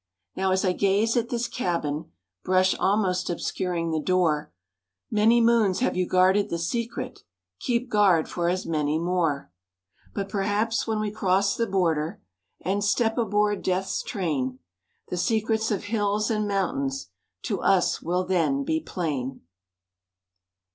Now as I gaze at this cabin,— Brush almost obscuring the door,— Many moons have you guarded the secret, Keep guard for as many more. But perhaps when we cross the border And step aboard death's train, The secrets of hills and mountains, To us will then be plain.